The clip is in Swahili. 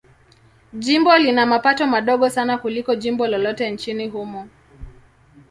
Jimbo lina mapato madogo sana kuliko jimbo lolote nchini humo.